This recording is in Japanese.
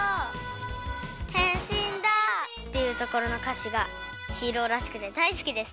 「変身だ」っていうところのかしがヒーローらしくてだいすきです。